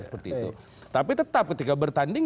seperti itu tapi tetap ketika bertanding